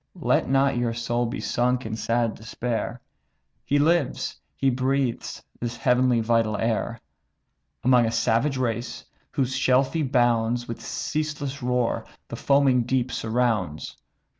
Let not your soul be sunk in sad despair; He lives, he breathes this heavenly vital air, Among a savage race, whose shelfy bounds With ceaseless roar the foaming deep surrounds.